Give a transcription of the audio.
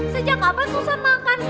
sejak kapan susan makan